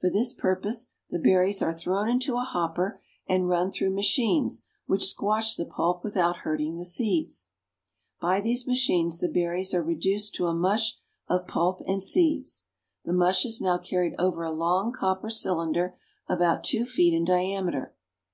For this purpose the berries are thrown into a hopper and run THE LAND OF COFFEE. 265 through machines which squash the pulp without hurting the seeds. By these machines the berries are reduced to a mush of pulp and seeds. The mush is now carried over a long copper cylinder about two feet in diameter.